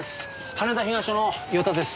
羽田東署の岩田です。